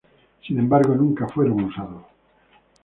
Sin embargo, nunca fueron utilizados.